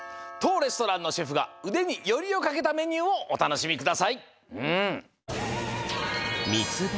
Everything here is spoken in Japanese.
とうレストランのシェフがうでによりをかけたメニューをおたのしみください。